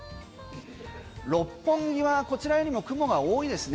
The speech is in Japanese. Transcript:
六本木はこちらにも雲が多いですね。